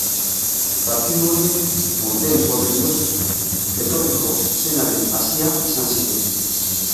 Partidu horiek urteen poderioz etorriko zenaren hazia izan ziren.